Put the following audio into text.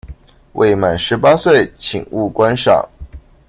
未滿十八歲請勿觀賞